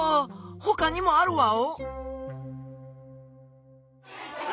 ほかにもあるワオ？